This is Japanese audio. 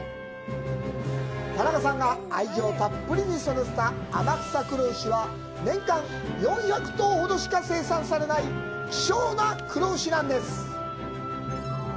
田中さんが愛情たっぷりに育てた「天草黒牛」は、年間４００頭ほどしか生産されない希少な黒牛です。